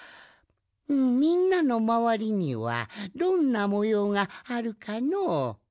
みんなのまわりにはどんなもようがあるかのう？